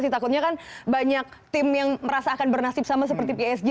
takutnya kan banyak tim yang merasa akan bernasib sama seperti psg